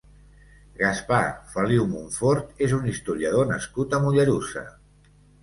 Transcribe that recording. Gaspar Feliu Monfort és un historiador nascut a Mollerussa.